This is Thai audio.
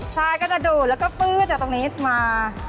ใช่ก็จะดูดแล้วก็ปื๊ดจากตรงนี้มา